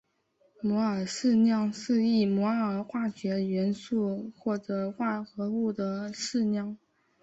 摩尔质量是一摩尔化学元素或者化合物的质量。